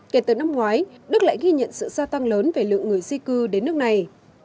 kể từ năm ngoái đức lại ghi nhận sự gia tăng lớn về lượng người di cư đến nước này